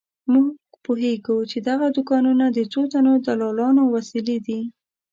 موږ پوهېږو چې دغه دوکانونه د څو تنو دلالانو وسیلې دي.